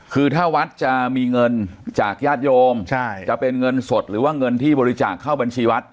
คือถ้าวัดจะมีเงินจากญาติโยมจะเป็นเงินสดหรือว่าเงินที่บริจาคเข้าบัญชีวัด